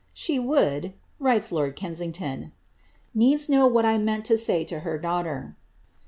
^' She would,^^ writes lord Kensington,' ^^ needs know what 1 meant Co say to her daughter.